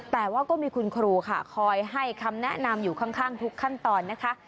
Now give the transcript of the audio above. แต่ว่าก็มีคุณครูค่ะคอยให้คำแนะนำอยู่ข้างทุกขั้นตอนนะคะ